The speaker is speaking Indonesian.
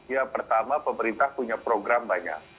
ya pertama pemerintah punya program banyak